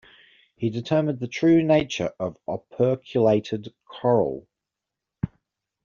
He determined the true nature of the operculated coral.